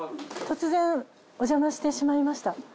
突然お邪魔してしまいました。